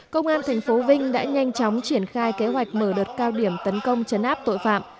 công an tp vinh đã nhanh chóng triển khai kế hoạch mở đợt cao điểm tấn công chấn áp tội phạm